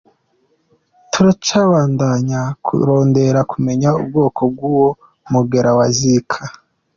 Turacabandanya kurondera kumenya ubwoko bw’uwo mugera wa Zika.